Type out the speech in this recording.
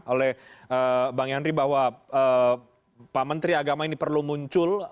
oleh bang yandri bahwa pak menteri agama ini perlu muncul